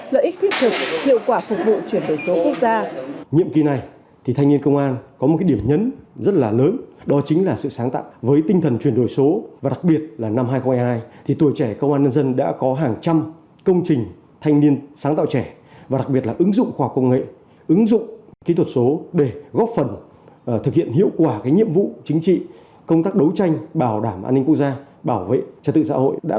lợi ích thiết thực hiệu quả phục vụ chuyển đổi số quốc gia